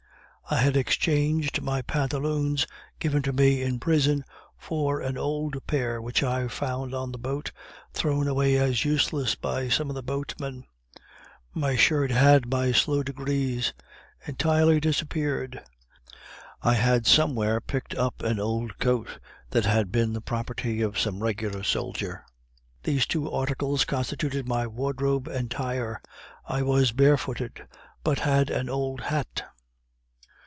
I had exchanged my pantaloons, given to me in prison, for an old pair which I found on the boat, thrown away as useless by some of the boatmen; my shirt had, by slow degrees, entirely disappeared; I had some where picked up an old coat that had been the property of some regular soldier these two articles constituted my wardrobe, entire I was barefooted, but had an old hat.